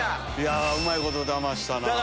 うまいことだましたな。